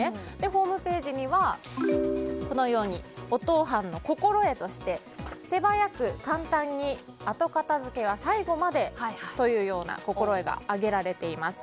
ホームページにはおとう飯の心得として手早く簡単に後片付けが最後までというような心得が挙げられています。